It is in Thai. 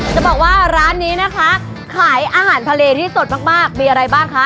จะบอกว่าร้านนี้นะคะขายอาหารทะเลที่สดมากมีอะไรบ้างคะ